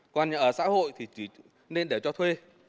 còn nhà ở xã hội thì chỉ nên để cho thuê